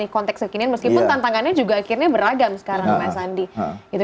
konteks kekinian meskipun tantangannya akhirnya beragam sekarang pak sandi